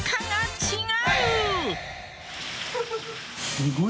△すごい。